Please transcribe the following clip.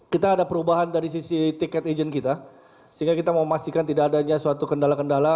kita ada perubahan dari sisi tiket agent kita sehingga kita memastikan tidak adanya suatu kendala kendala